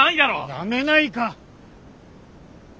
やめないか！